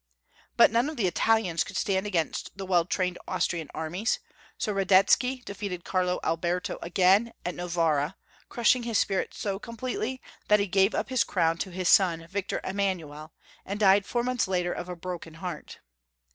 But none of the Italians could stand against the well trained Austrian armies; so Radetsky defeated Carlo Alberto again at Novara, crushing his spirit so completely that he gave up his crown to his son Victor Emanuel, and died four months later of a broken heart.